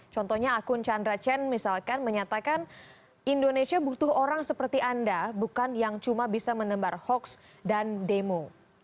contohnya akun chandra chen misalkan menyatakan indonesia butuh orang seperti anda bukan yang cuma bisa menembar hoax dan demo